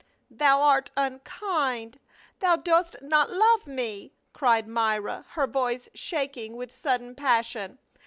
"Thou art unkind ! thou dost not love me !" cried Myra, her voice shaking with sudden passion.